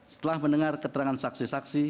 setelah mendengar keterangan saksi saksi